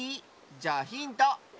じゃあヒント！